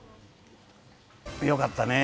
よかったね。